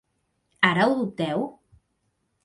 Ara ho dubteu?